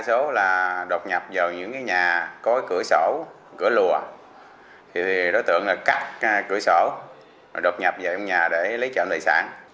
số là đột nhập vào những nhà có cửa sổ cửa thì đối tượng là cắt cửa sổ đột nhập vào nhà để lấy trộm tài sản